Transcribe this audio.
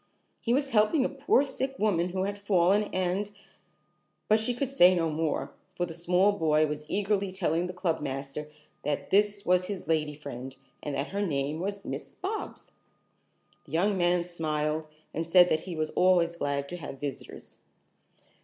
He was helping a poor sick woman who had fallen, and " But she could say no more, for the small boy was eagerly telling the clubmaster that this was his "lady friend" and that her name was Miss Bobs. The young man smiled and said that he was always glad to have visitors.